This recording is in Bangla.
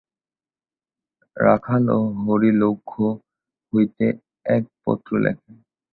রাখাল ও হরি লক্ষ্ণৌ হইতে এক পত্র লেখেন।